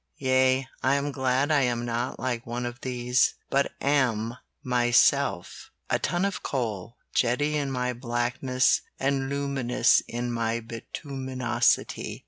Yea! I am glad I am not like one of these, But am myself A ton of coal jetty in my blackness and luminous in my bituminosity.